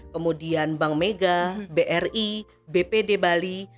kemudian bank mega bri bpd bali